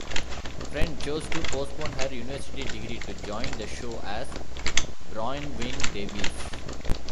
Friend chose to postpone her university degree to join the show as Bronwyn Davies.